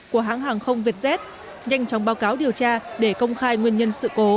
của hãng hàng không vietjet nhanh chóng báo cáo điều tra để công khai nguyên nhân sự cố